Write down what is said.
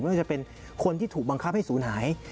ว่าจะเป็นคนที่ถูกบังคับให้ศูนย์หาย